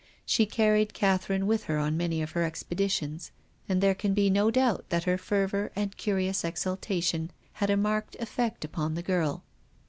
She carried Catherine with her on many of her expeditions, and there can be no doubt that her fervour and curious exaltation had a marked effect upon the girl.